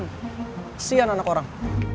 kesian anak orang